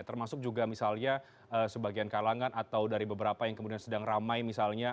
termasuk juga misalnya sebagian kalangan atau dari beberapa yang kemudian sedang ramai misalnya